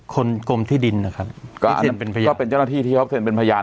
กรมที่ดินนะครับก็เชิญเป็นพยานก็เป็นเจ้าหน้าที่ที่เขาเซ็นเป็นพยาน